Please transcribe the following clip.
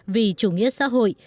vì chủ nghĩa xã hội